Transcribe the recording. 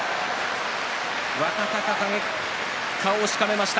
若隆景、顔をしかめました。